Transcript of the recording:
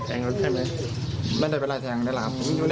พอตำรวจขอตรวจปัสสาวะรีบปฏิเสธเสียงออยทันทีบอกคุณตำรวจผมทำไม